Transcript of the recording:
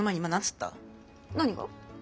何が？